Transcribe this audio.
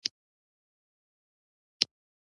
د شوروي اتحاد د مخ کېدو په اړه به خبرې وکړو.